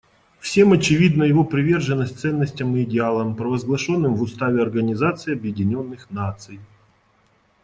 Всем очевидна его приверженность ценностям и идеалам, провозглашенным в Уставе Организации Объединенных Наций.